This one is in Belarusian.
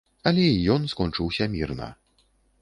Але і ён скончыўся мірна.